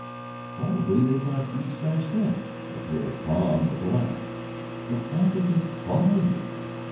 "Probably they thought you'd smash them," observed Tom with a laugh. "But why did they follow you?"